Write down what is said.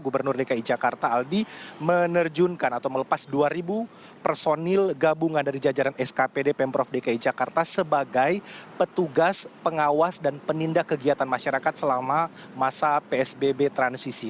gubernur dki jakarta aldi menerjunkan atau melepas dua personil gabungan dari jajaran skpd pemprov dki jakarta sebagai petugas pengawas dan penindak kegiatan masyarakat selama masa psbb transisi